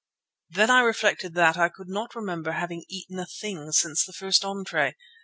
Then I reflected that I could not remember having eaten a thing since the first entrée.